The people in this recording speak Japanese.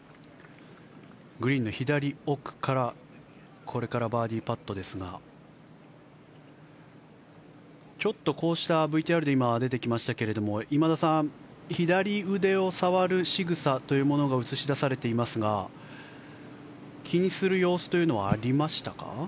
グリーンの左奥からこれからバーディーパットですがちょっとこうしたＶＴＲで出てきましたが今田さん左腕を触るしぐさというものが映し出されていますが気にする様子というのはありましたか？